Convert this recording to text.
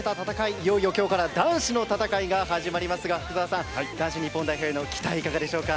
いよいよ今日から男子の戦いが始まりますが福澤さん、男子日本への期待いかがでしょうか。